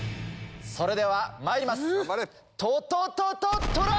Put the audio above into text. それではまいります。